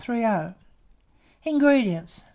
INGREDIENTS.